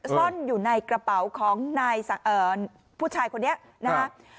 ซ่อนอยู่ในกระเป๋าของนายผู้ชายคนนี้นะครับ